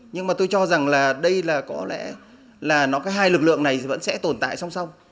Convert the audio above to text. nhưng mà tôi cho rằng là đây là có lẽ là nó có hai lực lượng này vẫn sẽ tồn tại song song